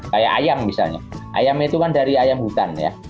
kayak ayam misalnya ayamnya itu kan dari ayam hutan ya